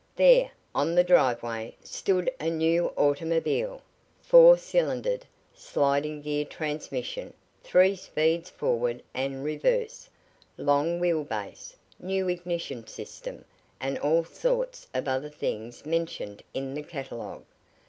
There, on the driveway, stood a new automobile. Four cylindered, sliding gear transmission, three speeds forward and reverse, long wheel base, new ignition system, and all sorts of other things mentioned in the catalogue.